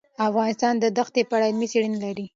افغانستان د دښتې په اړه علمي څېړنې لري.